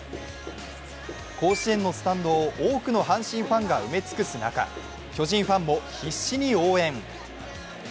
甲子園のスタンドを多くの阪神ファンが埋め尽くす中、巨人ファンも必死に応援。